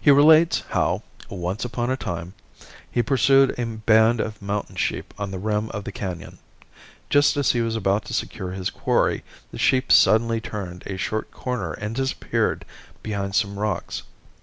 He relates how "once upon a time" he pursued a band of mountain sheep on the rim of the canon. Just as he was about to secure his quarry the sheep suddenly turned a short corner and disappeared behind some rocks.